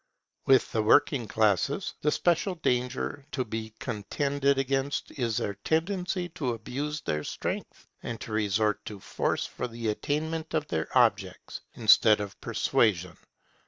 With the working classes, the special danger to be contended against is their tendency to abuse their strength, and to resort to force for the attainment of their objects, instead of persuasion.